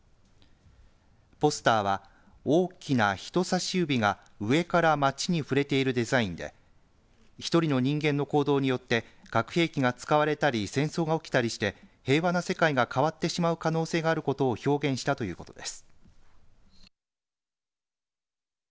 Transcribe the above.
ポスターは大きな人さし指が上から街に触れているデザインで１人の人間の行動によって核兵器が使われたり戦争が起きたりして平和な世界が変わってしまう可能性があることを表現したということです。